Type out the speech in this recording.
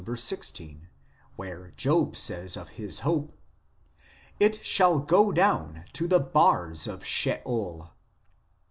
16, where Job says of his hope : "It shall go down to the bars of Sheol."